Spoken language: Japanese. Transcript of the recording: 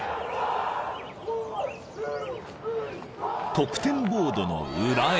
［得点ボードの裏へ］